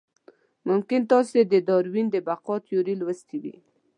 ممکن تاسې د داروېن د بقا تیوري لوستې وي.